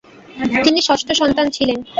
তিনি ষষ্ঠ সন্তান ছিলেন।